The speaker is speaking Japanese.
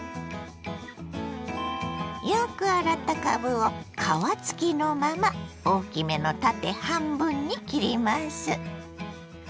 よく洗ったかぶを皮付きのまま大きめの縦半分に切ります。